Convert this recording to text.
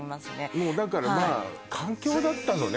もうだからまあ環境だったのね